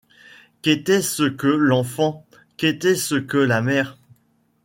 Qu'était-ce que l'enfant ? qu'était-ce que la mère ?